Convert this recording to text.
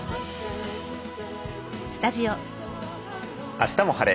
「あしたも晴れ！